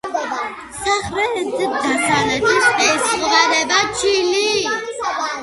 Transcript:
სამხრეთ-დასავლეთით ესაზღვრება ჩილე.